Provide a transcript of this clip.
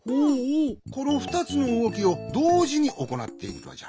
このふたつのうごきをどうじにおこなっているのじゃ。